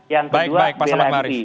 yang kedua bela mui